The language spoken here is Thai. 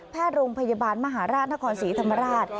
โรงพยาบาลมหาราชนครศรีธรรมราช